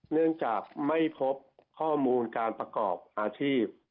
เนื่องจากไม่พบข้อมูลการประกอบอาชีพ